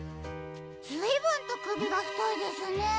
ずいぶんとくびがふといですね。